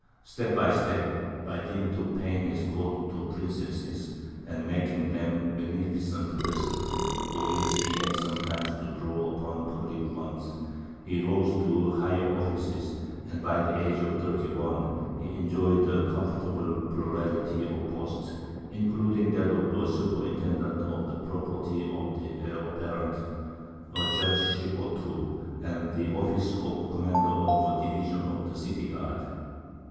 Step by step, by dint of paying his court to the princesses, and making them magnificent presents (for which he had sometimes to draw upon public funds), he rose to higher offices; and by the age of thirty one he enjoyed a comfortable plurality of posts, including that of superintendent of the property of the heir apparent, a judgeship or two, and the office of commander of a division of the city guard.